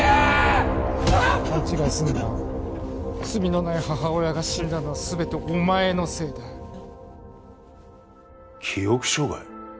勘違いすんな罪のない母親が死んだのは全てお前のせいだ記憶障害？